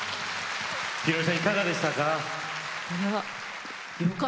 宏美さん、いかがでしたか？